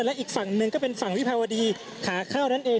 และอีกฝั่งหนึ่งก็เป็นฝั่งวิภาวดีขาเข้านั่นเอง